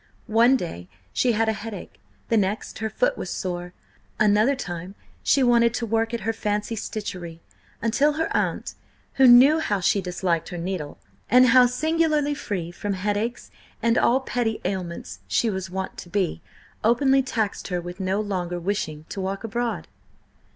One day she had a headache; the next her foot was sore; another time she wanted to work at her fancy stitchery, until her aunt, who knew how she disliked her needle, and how singularly free from headaches and all petty ailments she was wont to be, openly taxed her with no longer wishing to walk abroad.